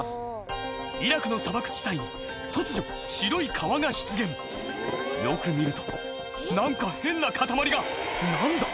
イラクの砂漠地帯に突如白い川が出現よく見ると何か変なかたまりが何だ？